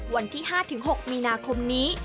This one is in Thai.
วันที่๕๖มีนาคมนี้